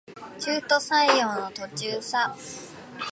中途採用の途中さ